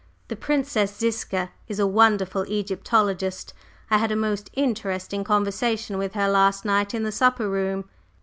The Princess Ziska is a wonderful Egyptologist; I had a most interesting conversation with her last night in the supper room."